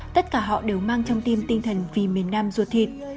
tất cả họ đều mang trong tim tinh thần vì miền nam ruột thịt